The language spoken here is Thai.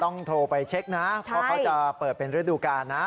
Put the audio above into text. โทรไปเช็คนะเพราะเขาจะเปิดเป็นฤดูกาลนะ